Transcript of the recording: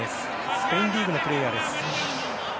スペインリーグのプレーヤーです。